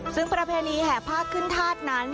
ซึ่งประเพณีแห่ผ้าขึ้นธาตุนั้น